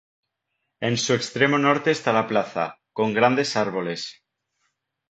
En su extremo norte está la plaza, con grandes árboles.